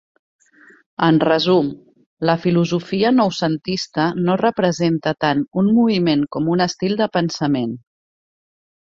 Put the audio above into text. En resum, la filosofia noucentista no representa tant un moviment com un estil de pensament.